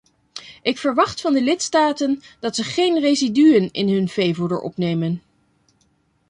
Ik verwacht van de lidstaten dat ze geen residuen in hun veevoeder opnemen.